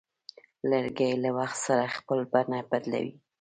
لرګی له وخت سره خپل بڼه بدلوي.